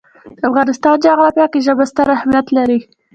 د افغانستان جغرافیه کې ژبې ستر اهمیت لري.